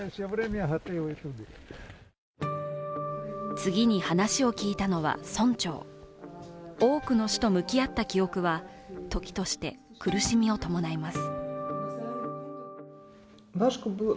次に話を聞いたのは、村長、多くの死と向き合った記憶は、ときとして、苦しみを伴います。